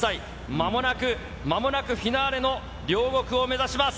まもなく、まもなくフィナーレの両国を目指します。